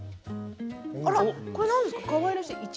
これは何ですか、かわいらしい。